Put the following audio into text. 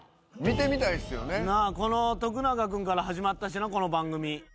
この徳永君から始まったしなこの番組。